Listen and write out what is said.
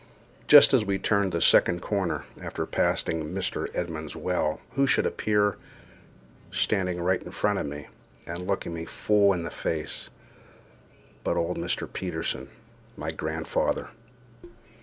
Just as we turned the second corner, after passing Mr. Edmund's well, who should appear, standing right in front of me, and looking me full in the face, but old Mr. Peterson, my grandfather.